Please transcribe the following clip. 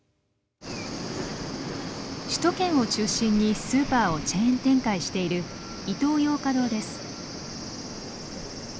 首都圏を中心にスーパーをチェーン展開しているイトーヨーカドーです。